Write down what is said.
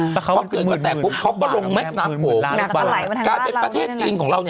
เพราะแกบลงแม่น้ำหก